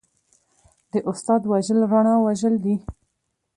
د استاد وژل رڼا وژل دي.